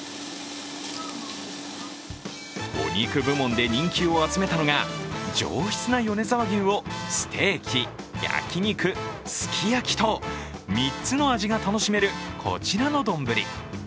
お肉部門で人気を集めたのが上質な米沢牛をステーキ、焼き肉、すき焼と３つの味を楽しめる、こちらの丼。